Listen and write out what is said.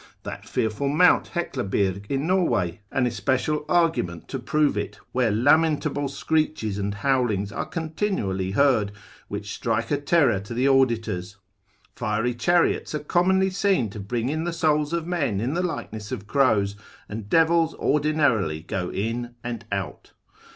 that fearful mount Hecklebirg in Norway, an especial argument to prove it, where lamentable screeches and howlings are continually heard, which strike a terror to the auditors; fiery chariots are commonly seen to bring in the souls of men in the likeness of crows, and devils ordinarily go in and out.